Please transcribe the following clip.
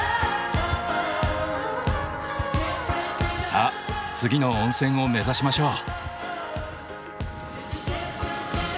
さあ次の温泉を目指しましょう。